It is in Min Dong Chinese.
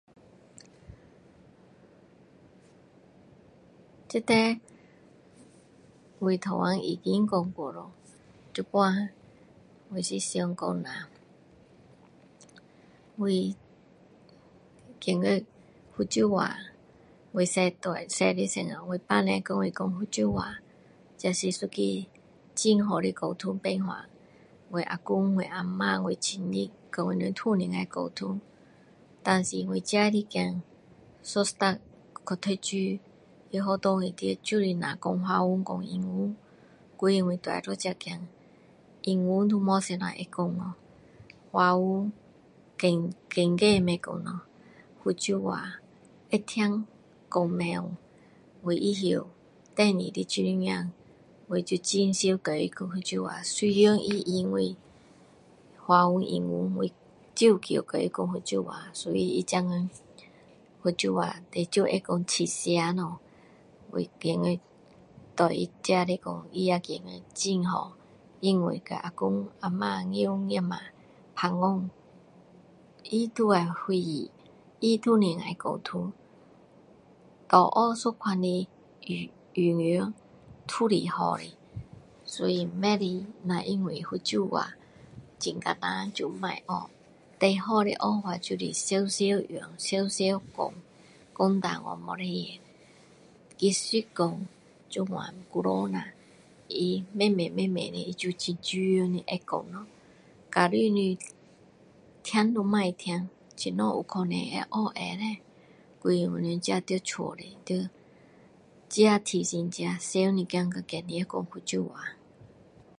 这题我刚才已经讲过了现在我是想说下我觉得福州话我小大小时候父母跟我说的福州话这是一个很好的沟通办法我啊公我啊嫲我亲戚跟我们都能够沟通但是我自己的孩子一start去读书在学校里面就是只讲华语讲英语所以我大的一个孩子英文都没有什么会说哦华语更更加不会讲咯福州话会听不会讲我以后第二的女儿我就很长常跟她说福州话虽然她应我华语英语我照样跟她说福州话所以她现今福州话至少会说七成了我觉得对她自己来说他也觉得很好因为跟啊公啊嫲外公外婆交谈他都能够会意他都能够沟通多学一种的语言都是好的所以不可以觉得福州话很难学最好的方法就是常常用常常讲讲错掉不要紧意思说这样久一下慢慢慢慢的他就自然的会讲咯假如你听都不要听怎样有可能会学会叻所以你自己在家的自己跟自己提醒自己要常一点跟孩子们说福州话